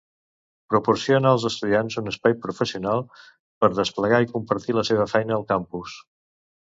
Proporciona als estudiants un espai professional per desplegar i compartir la seva feina al campus.